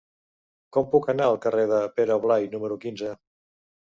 Com puc anar al carrer de Pere Blai número quinze?